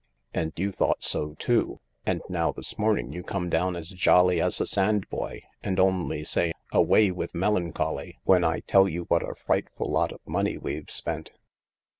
And you thought so too, and now this morning you come down as jolly as a sandboy and only say, ' Away with melan choly ' when I tell you what a frightful lot of money we've spent."